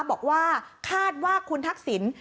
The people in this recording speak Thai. บอกว่าคาดว่าคุณทักษิณ